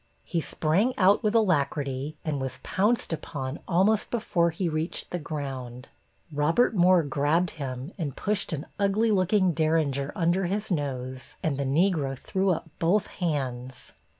He sprang out with alacrity and was pounced upon almost before he reached the ground. Robert Moore grabbed him and pushed an ugly looking Derringer under his nose and the Negro threw up both hands.